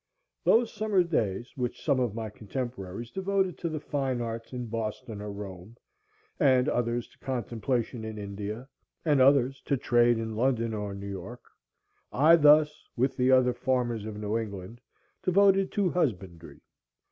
Those summer days which some of my contemporaries devoted to the fine arts in Boston or Rome, and others to contemplation in India, and others to trade in London or New York, I thus, with the other farmers of New England, devoted to husbandry.